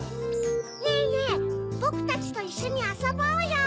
ねぇねぇぼくたちといっしょにあそぼうよ！